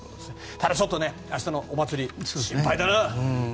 ただちょっと、明日のお祭り心配だな！